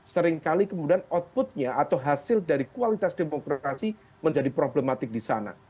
seringkali kemudian outputnya atau hasil dari kualitas demokrasi menjadi problematik di sana